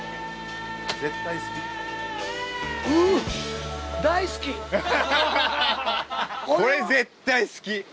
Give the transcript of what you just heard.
う！これ絶対好き。